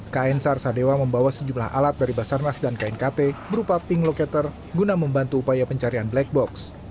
kn sar sadewa membawa sejumlah alat dari basarnas dan knkt berupa ping locator guna membantu upaya pencarian black box